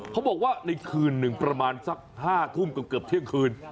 เขาบอกว่าในคืนหนึ่งประมาณสัก๕ทุ่มเกือบเที่ยงคืน